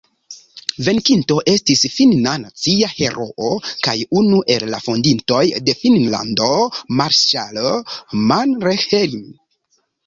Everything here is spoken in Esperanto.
Venkinto estis finna nacia heroo kaj unu el la fondintoj de Finnlando marŝalo Mannerheim.